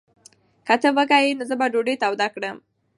که ته وږی یې، نو زه به ډوډۍ توده کړم.